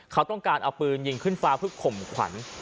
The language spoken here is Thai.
เขาต้องการเอาปืนยิงขึ้นฟ้าเพื่อข่มขวัญ